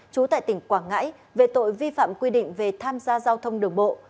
trú tại tỉnh quảng ngãi về tội vi phạm quy định về tham gia giao thông đường bộ